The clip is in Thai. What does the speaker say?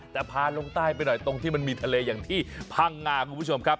แต่พาลงใต้ไปหน่อยตรงที่มันมีทะเลอย่างที่พังงาคุณผู้ชมครับ